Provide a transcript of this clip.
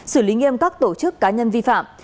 xử lý nghiêm các tổ chức cá nhân vi phạm